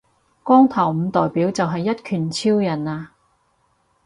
光頭唔代表就係一拳超人呀